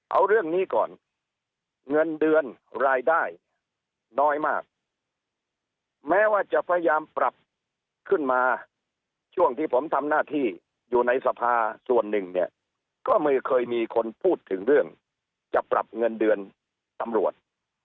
เอาเรื่องนี้ก่อนเงินเดือนรายได้น้อยมากแม้ว่าจะพยายามปรับขึ้นมาช่วงที่ผมทำหน้าที่อยู่ในสภาส่วนหนึ่งเนี่ยก็ไม่เคยมีคนพูดถึงเรื่องจะปรับเงินเดือนตำรวจ